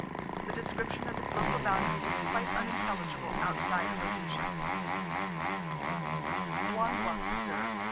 The description of its local boundaries is quite unintelligible outside of Rhodesia. Luangwa Reserve.